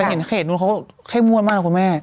ไปเห็นเขตนู้นเขาแค่ม่วนมากเลยคุณแม่